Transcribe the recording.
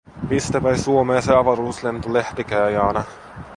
Mistä päi Suomee se avaruuslento lähtikää, Jaana?".